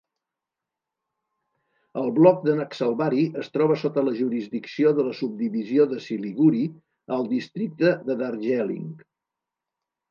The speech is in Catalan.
El bloc de Naxalbari es troba sota la jurisdicció de la subdivisió de Siliguri, al districte de Darjeeling.